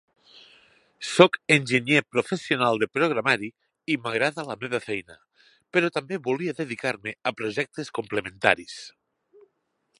Soc enginyer professional de programari i m'agrada la meva feina, però també volia dedicar-me a projectes complementaris.